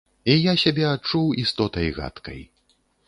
І я сябе адчуў істотай гадкай.